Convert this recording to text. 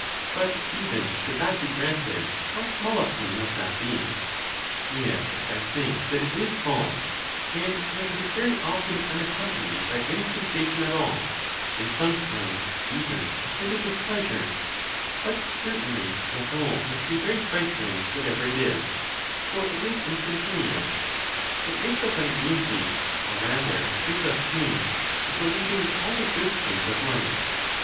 But even should that be granted, how small a pain must that be! Yet I think that it is false, and that it is very often unaccompanied by any sensation at all, and some times even attended with pleasure; but certainly the whole must be very trifling, whatever it is, for it is instantaneous, What makes us uneasy, or rather gives us pain, is the leaving all the good things of life.